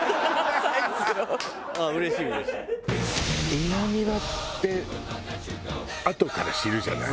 稲庭ってあとから知るじゃない？